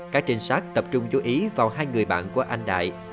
các trinh sát tập trung chú ý vào hai người bạn của anh đại